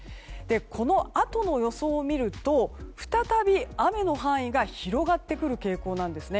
このあとの予想を見ると再び雨の範囲が広がってくる傾向なんですね。